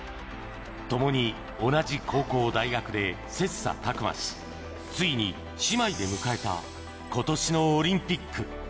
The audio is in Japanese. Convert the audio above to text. ともに同じ高校、大学で切さたく磨し、ついに姉妹で迎えたことしのオリンピック。